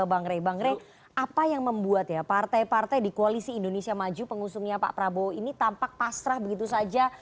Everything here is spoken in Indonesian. bang rey bang rey apa yang membuat ya partai partai di koalisi indonesia maju pengusungnya pak prabowo ini tampak pasrah begitu saja